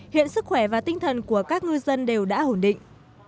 hiện sức khỏe và tinh thần của các ngư dân đều đã ổn định